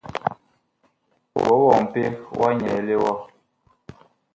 Wɔwɔɔ mpeg wa nyɛɛle wa ?